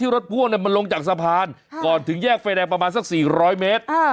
รถพ่วงมันลงจากสะพานก่อนถึงแยกไฟแดงประมาณสัก๔๐๐เมตร